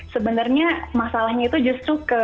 sebenarnya masalahnya itu justru ke